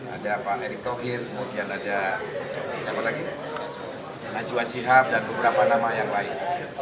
ada pak erick thohir kemudian ada najwa sihab dan beberapa nama yang lain